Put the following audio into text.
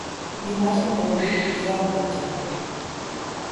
Dimarts en Rauric irà al metge.